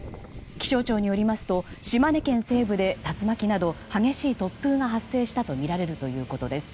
気象庁によりますと島根県西部で竜巻など激しい突風が発生したとみられるということです。